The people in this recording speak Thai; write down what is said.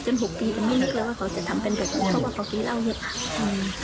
จนหกปีแต่ไม่นึกว่าเขาจะทำเป็นแบบนี้เพราะว่าเขาปีเล่าเลยค่ะอืม